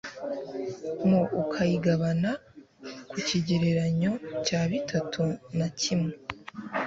m ukayigabana ku kigereranyo cya bitatu na kimwe